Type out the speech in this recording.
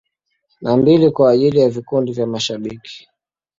Na mbili kwa ajili ya vikundi vya mashabiki.